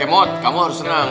eh kemot kamu harus senang